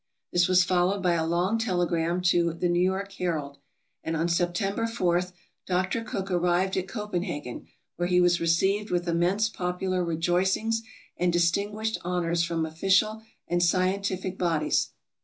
This was followed by a long telegram to the "New York Herald," and on September 4, Dr. Cook arrived at Copenhagen, where he was received with immense popular rejoicings and distinguished honors from official and MISCELLANEOUS 473 scientific bodies.